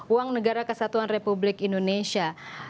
uang negara kesatuan republik indonesia